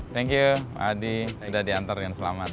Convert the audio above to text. thank you pak adi sudah diantar dengan selamat